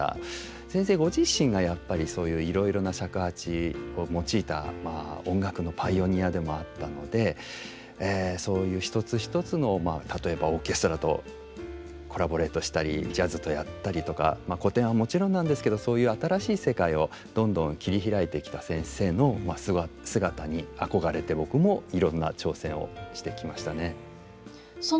先生ご自身がやっぱりそういういろいろな尺八を用いた音楽のパイオニアでもあったのでそういう一つ一つの例えばオーケストラとコラボレートしたりジャズとやったりとか古典はもちろんなんですけどそういう新しい世界をどんどん切り開いてきた先生の姿に憧れて僕もいろんな挑戦をしてきましたね。